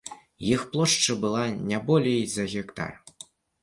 Іх плошча была не болей за гектар.